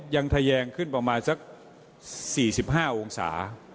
ทะแยงขึ้นประมาณสัก๔๕องศา